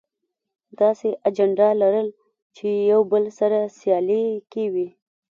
داسې اجنډا لرل چې يو بل سره سیالي کې وي.